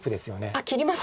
あっ切りました。